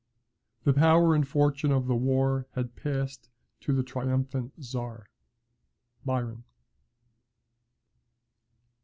The power and fortune of the war Had passed to the triumphant Czar." BYRON.